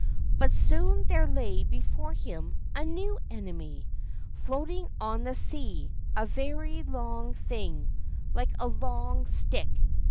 But soon there lay before him a new enemy, floating on the sea, a very long thing, like a long stick.